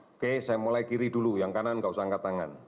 oke saya mulai kiri dulu yang kanan gak usah angkat tangan